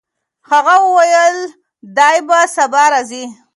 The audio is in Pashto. هغه وویل چې دی به سبا راځي.